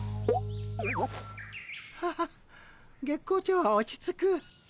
ハハ月光町は落ち着く。